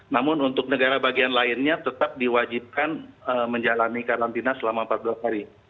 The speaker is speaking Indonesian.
namun untuk negara bagian lainnya tetap diwajibkan menjalani karantina selama empat belas hari